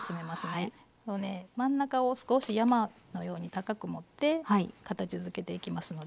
真ん中を少し山のように高く盛って形づけていきますので。